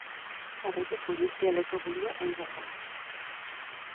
Barruti judizialeko burua Eibar da.